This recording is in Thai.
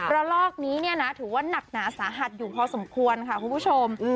ระลอกนี้เนี่ยนะถือว่านักหนาสาหัสอยู่พอสมควรค่ะคุณผู้ชม